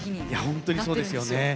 本当にそうですよね。